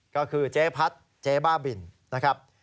ก็คือเจ๊พัดเจ๊บ้าบินนะครับ